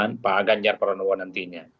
dan pak ganjar paranowo nantinya